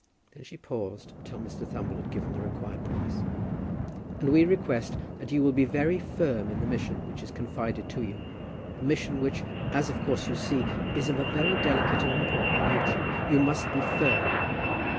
Then she paused until Mr. Thumble had given the required promise. "And we request that you will be very firm in the mission which is confided to you, a mission which, as of course you see, is of a very delicate and important nature. You must be firm."